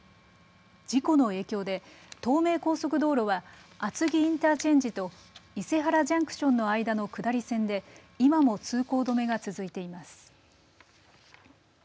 事故の影響で東名高速道路は厚木インターチェンジと伊勢原ジャンクションの間の下り線で今も通行止めが続いています。